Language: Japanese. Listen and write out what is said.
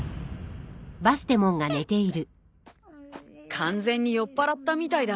完全に酔っぱらったみたいだ。